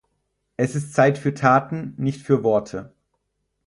Es ist Zeit für Taten, nicht für Worte.